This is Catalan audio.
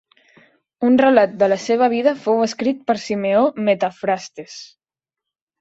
Un relat de la seva vida fou escrit per Simeó Metafrastes.